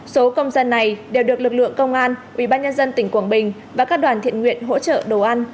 số công dân này đều được lực lượng công an ubnd tỉnh quảng bình và các đoàn thiện nguyện hỗ trợ đồ ăn